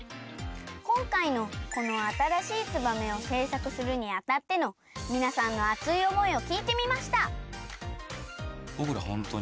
こんかいのこのあたらしい「ツバメ」をせいさくするにあたってのみなさんの熱い思いをきいてみました。